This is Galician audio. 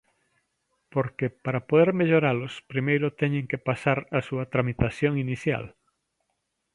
Porque, para poder melloralos, primeiro teñen que pasar a súa tramitación inicial.